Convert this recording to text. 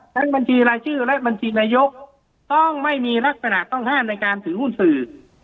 บัญชีรายชื่อและบัญชีนายกต้องไม่มีลักษณะต้องห้ามในการถือหุ้นสื่อ